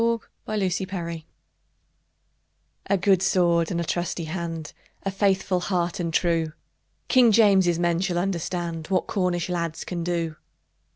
"Trelawny"[edit] A good sword and a trusty hand! A merry heart and true! King James's men shall understand What Cornish lads can do!